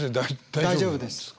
大丈夫です。